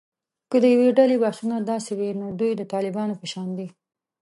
که د یوې ډلې بحثونه داسې وي، نو دوی د طالبانو په شان دي